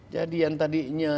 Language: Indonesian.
jadi yang tadinya